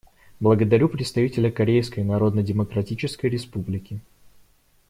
Благодарю представителя Корейской Народно-Демократической Республики.